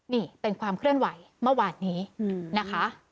นี่เป็นความเคลื่อนไหวเมื่อวานนี้นะคะ